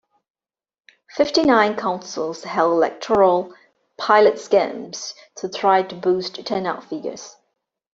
Fifty-nine councils held electoral pilot schemes to try to boost turnout figures.